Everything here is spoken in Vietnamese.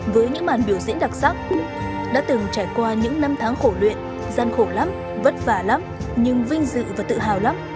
với những màn biểu diễn đặc sắc đã từng trải qua những năm tháng khổ luyện gian khổ lắm vất vả lắm nhưng vinh dự và tự hào lắm